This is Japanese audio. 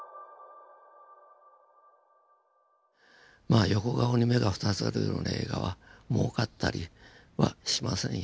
まあ横顔に目が２つあるような映画はもうかったりはしませんよ。